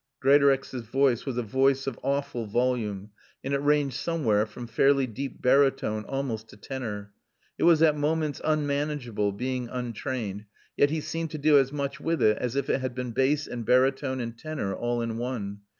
'" Greatorex's voice was a voice of awful volume and it ranged somewhere from fairly deep barytone almost to tenor. It was at moments unmanageable, being untrained, yet he seemed to do as much with it as if it had been bass and barytone and tenor all in one.